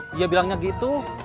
dia bilangnya gitu